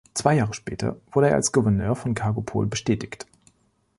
Zwei Jahre später wurde er als Gouverneur von Kargopol bestätigt.